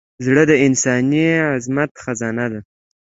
زړه د انساني عظمت خزانه ده.